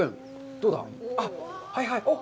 どうだ？